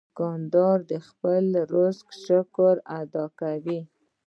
دوکاندار د خپل رزق شکر ادا کوي.